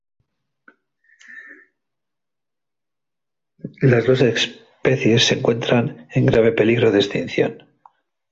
Las dos especies se encuentran en grave peligro de extinción.